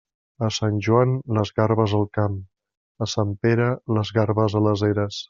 A Sant Joan, les garbes al camp; a Sant Pere, les garbes a les eres.